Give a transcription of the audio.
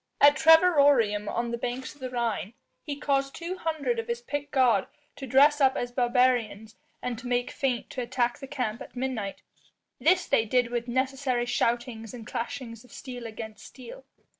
At Trevirorum on the banks of the Rhine, he caused two hundred of his picked guard to dress up as barbarians and to make feint to attack the camp at midnight. This they did with necessary shoutings and clashings of steel against steel.